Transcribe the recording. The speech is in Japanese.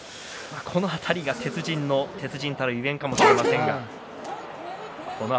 この辺りが鉄人と言われるゆえんかもしれませんね。